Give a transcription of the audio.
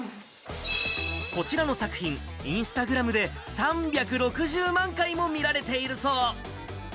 こちらの作品、インスタグラムで３６０万回も見られているそう。